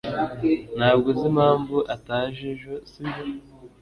Ntabwo uzi impamvu ataje ejo, sibyo?